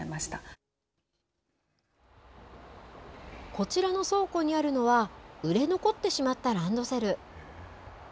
こちらの倉庫にあるのは売れ残ってしまったランドセル。